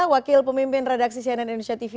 wakil pemimpin redaksi cnn indonesia tv